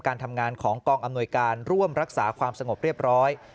การทำงานของกองอำนวยการร่วมรักษาความสงบเรียบร้อย